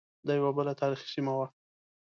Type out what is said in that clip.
دا یوه بله تاریخی سیمه وه.